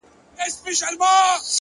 هره تجربه د فکر نوی رنګ دی’